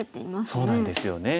そうなんですよね。